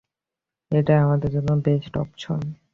এটাই আমাদের জন্য বেস্ট অপশন।